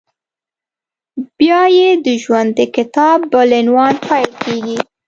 بیا یې د ژوند د کتاب بل عنوان پیل کېږي…